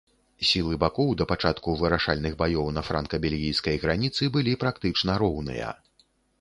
Сілы бакоў да пачатку вырашальных баёў на франка-бельгійскай граніцы былі практычна роўныя.